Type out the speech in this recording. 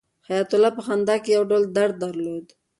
حیات الله په خندا کې یو ډول درد درلود.